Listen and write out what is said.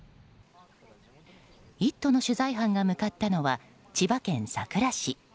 「イット！」の取材班が向かったのは、千葉県佐倉市。